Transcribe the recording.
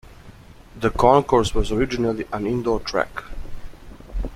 The concourse was originally an indoor track.